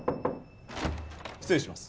失礼します。